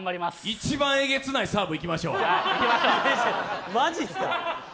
一番えげつないサーブいきましょう。